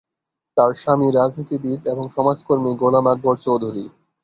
তার স্বামী রাজনীতিবিদ এবং সমাজকর্মী গোলাম আকবর চৌধুরী।